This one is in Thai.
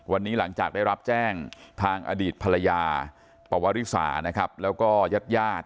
วันนี้หลังจากได้รับแจ้งทางอดีตภรรยาปวริสานะครับแล้วก็ญาติญาติ